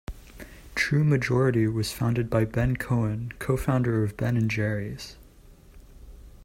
TrueMajority was founded by Ben Cohen, co-founder of Ben and Jerry's.